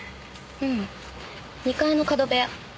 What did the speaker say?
うん２階の角部屋。